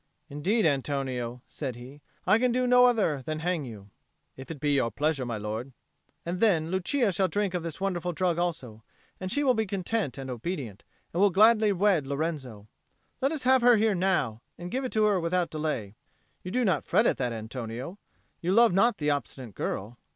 "Indeed, Antonio," said he, "I can do no other than hang you." "If it be your pleasure, my lord." "And then Lucia shall drink of this wonderful drug also, and she will be content and obedient, and will gladly wed Lorenzo. Let us have her here now, and give it to her without delay. You do not fret at that, Antonio? You love not the obstinate girl?"